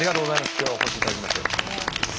今日はお越しいただきまして。